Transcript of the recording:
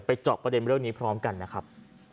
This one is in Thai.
เจาะประเด็นเรื่องนี้พร้อมกันนะครับ